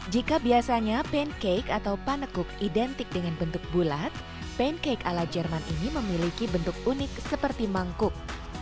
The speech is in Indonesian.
jika biasanya pancake atau panekuk identik dengan bentuk bulat pancake ala jerman ini memiliki bentuk unik seperti mangkuk